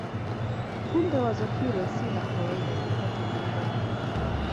Kumbe wazo hilo si la kawaida popote duniani.